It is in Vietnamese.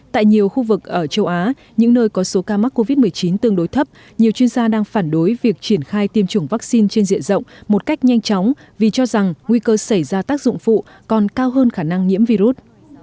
tại nhiều khu vực ở châu á những nơi có số ca mắc covid một mươi chín tương đối thấp nhiều chuyên gia đang phản đối việc triển khai tiêm chủng vaccine trên diện rộng một cách nhanh chóng vì cho rằng nguy cơ xảy ra tác dụng phụ còn cao hơn khả năng nhiễm virus